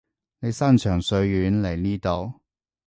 你山長水遠嚟呢度